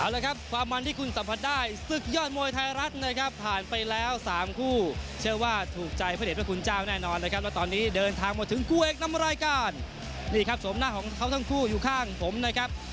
สุดท้ายสุดท้ายสุดท้ายสุดท้ายสุดท้ายสุดท้ายสุดท้ายสุดท้ายสุดท้ายสุดท้ายสุดท้ายสุดท้ายสุดท้ายสุดท้ายสุดท้าย